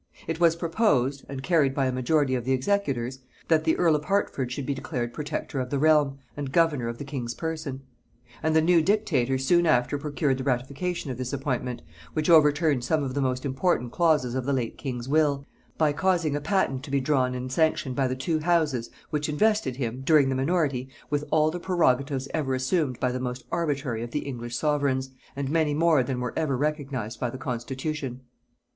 It was proposed, and carried by a majority of the executors, that the earl of Hertford should be declared protector of the realm, and governor of the king's person; and the new dictator soon after procured the ratification of this appointment, which overturned some of the most important clauses of the late king's will, by causing a patent to be drawn and sanctioned by the two houses which invested him, during the minority, with all the prerogatives ever assumed by the most arbitrary of the English sovereigns, and many more than were ever recognised by the constitution.